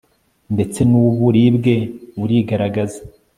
ndetse nuburibwe burigaragaza